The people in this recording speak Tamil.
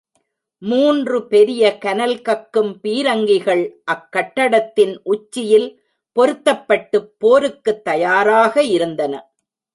மூன்று பெரிய கனல் கக்கும் பீரங்கிகள் அக்கட்டடத்தின் உச்சியில் பொருத்தப் பட்டுப் போருக்குத் தயாராக இருந்தன.